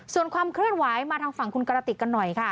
ส่วนความเคลื่อนไหวมาทางฝั่งคุณกระติกกันหน่อยค่ะ